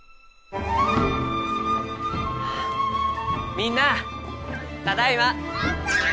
みんなあただいま！